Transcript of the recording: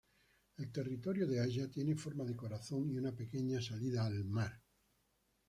El territorio de Aya tiene forma de corazón y una pequeña salida al mar.